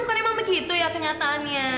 bukan memang begitu ya kenyataannya